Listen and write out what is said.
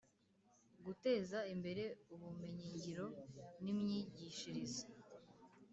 guteza imbere Ubumenyingiro n Imyigishirize